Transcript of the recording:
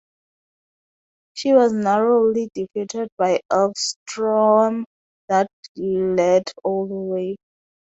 She was narrowly defeated by Elvstroem, that led all the way.